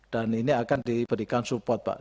dan ini akan diberikan support pak